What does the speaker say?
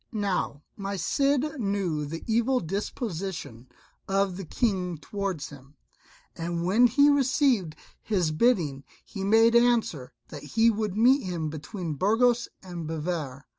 Now my Cid knew the evil disposition of the King toward him, and when he received his bidding he made answer that he would meet him between Burgos and Bivar.